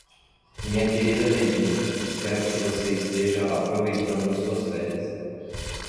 Minha querida Regina, espero que você esteja aproveitando suas férias.